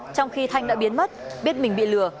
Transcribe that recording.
trong khi thanh đã biến mất biết mình bị lừa